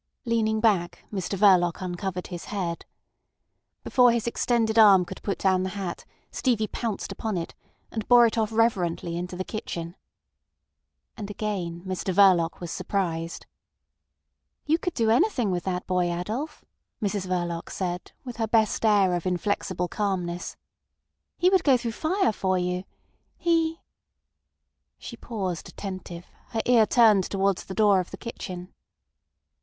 Leaning back, Mr Verloc uncovered his head. Before his extended arm could put down the hat Stevie pounced upon it, and bore it off reverently into the kitchen. And again Mr Verloc was surprised. "You could do anything with that boy, Adolf," Mrs Verloc said, with her best air of inflexible calmness. "He would go through fire for you. He—" She paused attentive, her ear turned towards the door of the kitchen.